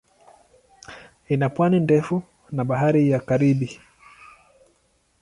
Ina pwani ndefu na Bahari ya Karibi.